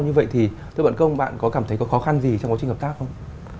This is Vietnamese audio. như vậy thì thưa bạn công bạn có cảm thấy có khó khăn gì trong quá trình hợp tác không